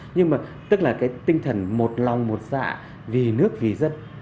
nhưng mà tức là cái tinh thần một lòng một dạ vì nước vì dân